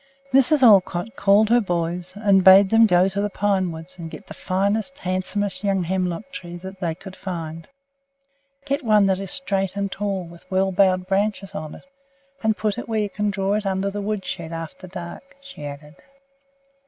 Mrs. Olcott called her boys, and bade them go to the pine woods and get the finest, handsomest young hemlock tree that they could find. "Get one that is straight and tall, with well boughed branches on it, and put it where you can draw it under the wood shed after dark," she added.